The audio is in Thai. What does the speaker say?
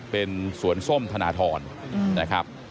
เป็นสวนส้มธนทรนะครับ